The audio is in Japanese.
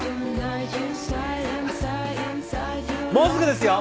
もうすぐですよ